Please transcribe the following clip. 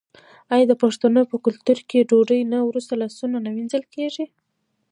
آیا د پښتنو په کلتور کې د ډوډۍ نه وروسته لاسونه نه مینځل کیږي؟